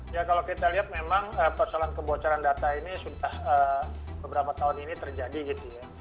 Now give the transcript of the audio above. ya kalau kita lihat memang persoalan kebocoran data ini sudah beberapa tahun ini terjadi gitu ya